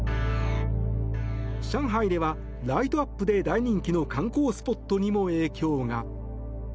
上海ではライトアップで大人気の観光スポットにも影響が。